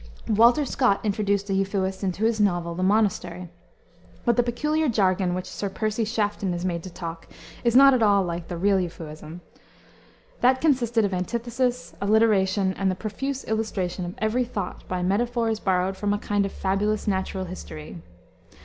Walter Scott introduced a Euphuist into his novel the Monastery, but the peculiar jargon which Sir Piercie Shafton is made to talk is not at all like the real Euphuism. That consisted of antithesis, alliteration, and the profuse illustration of every thought by metaphors borrowed from a kind of fabulous natural history.